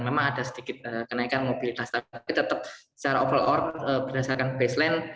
memang ada sedikit kenaikan mobilitas tapi tetap secara over berdasarkan baseline